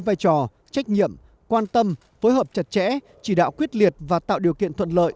vai trò trách nhiệm quan tâm phối hợp chặt chẽ chỉ đạo quyết liệt và tạo điều kiện thuận lợi